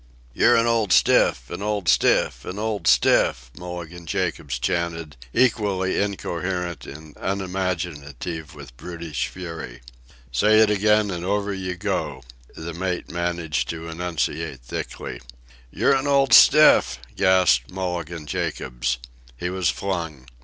"You're an old stiff, an old stiff, an old stiff," Mulligan Jacobs chanted, equally incoherent and unimaginative with brutish fury. "Say it again and over you go," the mate managed to enunciate thickly. "You're an old stiff," gasped Mulligan Jacobs. He was flung.